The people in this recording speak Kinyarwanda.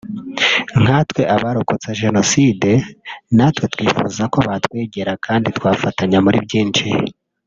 nkatwe abarakotse Jenoside natwe twifuza ko batwegera kandi twafatanya muri byinshi